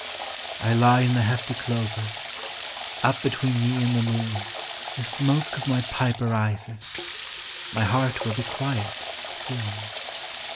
I lie in the hefty clover: up between me and the moon The smoke of my pipe arises; my heart will be quiet, soon.